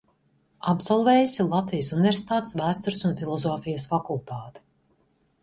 Absolvējusi Latvijas Universitātes Vēstures un filozofijas fakultāti.